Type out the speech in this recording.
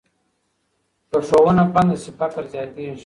که ښوونه بنده سي، فقر زیاتېږي.